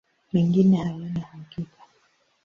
Mengine hayana hakika.